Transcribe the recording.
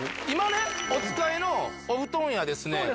今ねお使いのお布団やですね